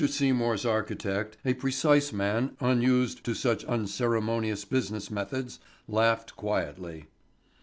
Seymour's architect, a precise man unused to such unceremonious business methods, laughed quietly.